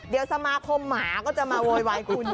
แล้วสมาครมาก็จะเราะหวายคุณ